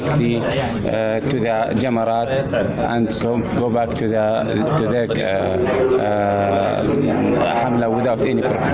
kita bisa menemukan petugas lapangan yang berbeda